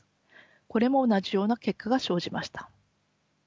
これも同じような結果が生じました。